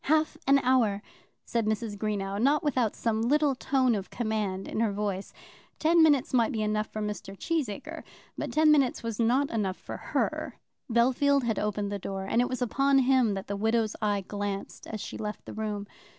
"Half an hour," said Mrs. Greenow, not without some little tone of command in her voice. Ten minutes might be enough for Mr. Cheesacre, but ten minutes was not enough for her. Bellfield had opened the door, and it was upon him that the widow's eye glanced as she left the room.